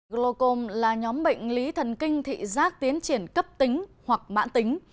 glocom là nhóm bệnh lý thần kinh thị giác tiến triển cấp tính hoặc mãn tính